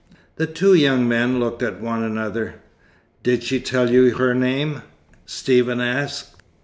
The two young men looked at one another. "Did she tell you her name?" Stephen asked.